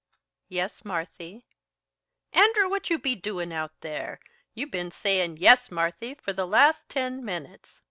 "Yes, Marthy." "Andrew, what be you doin' out there? You've ben sayin' 'Yes, Marthy,' for the last ten minutes."